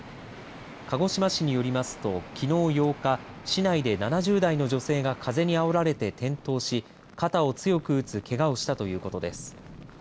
鹿児島市によりますときのう８日市内で７０代の女性が風にあおられて転倒し肩を強く打つけがをしたということです。